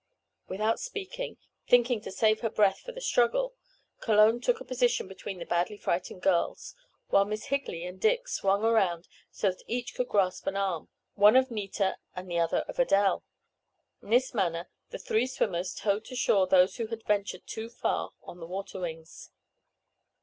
Without speaking, thinking to save her breath for the struggle, Cologne took a position between the badly frightened girls, while Miss Higley and Dick swung around so that each could grasp an arm, one of Nita and the other of Adele. In this manner the three swimmers towed to shore those who had ventured too far on the water wings.